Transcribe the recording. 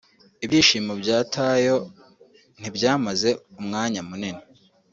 Ibyishimo bya Tayo ntibyamaze umwanya munini